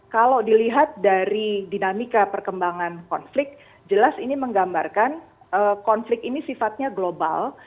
kalau dilihat dari dinamika perkembangan konflik jelas ini menggambarkan konflik ini sifatnya global